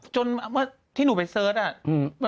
จนที่หนูไปเสิร์ชอะ